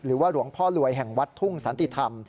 หรือว่าหลวงพ่อรวยแห่งวัดทุ่งสันติธรรม